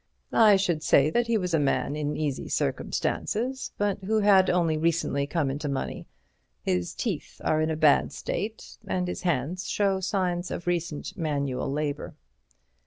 "I should say that he was a man in easy circumstances, but who had only recently come into money. His teeth are in a bad state, and his hands show signs of recent manual labor."